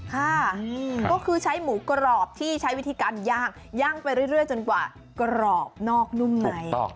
ค่ะก็คือใช้หมูกรอบที่ใช้วิธีการย่างย่างไปเรื่อยจนกว่ากรอบนอกนุ่มใน